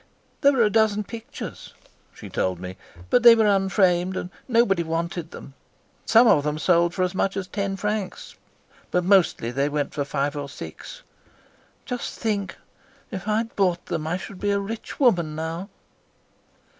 "There were a dozen pictures," she told me, "but they were unframed, and nobody wanted them. Some of them sold for as much as ten francs, but mostly they went for five or six. Just think, if I had bought them I should be a rich woman now."